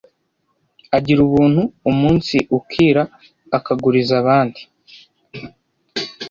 agira ubuntu umunsi ukira akaguriza abandi